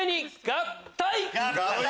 合体！